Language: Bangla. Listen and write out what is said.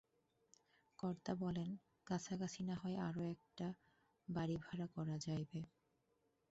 কর্তা বলেন, কাছাকাছি নাহয় আরো একটা বাড়ি ভাড়া করা যাইবে।